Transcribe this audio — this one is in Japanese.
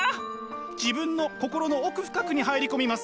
自分の心の奥深くに入り込みます。